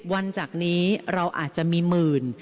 จากนี้เราอาจจะมีหมื่น